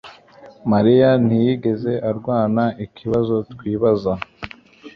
mariya ntiyigeze arwana ikibazo twibaza